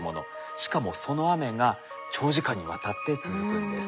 しかもその雨が長時間にわたって続くんです。